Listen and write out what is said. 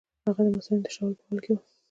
هغه د مثانې د تشولو په حال کې وو.